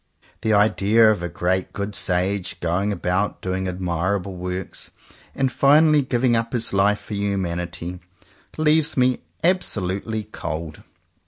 That idea of a great good Sage going about doing admir able works and finally giving up His life for humanity, leaves me absolutely cold.